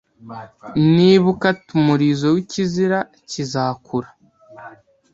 Niba ukata umurizo wikizira, kizakura.